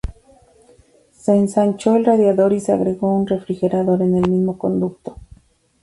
Se ensanchó el radiador y se agregó un refrigerador en el mismo conducto.